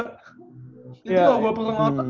itu gue perlu ngotot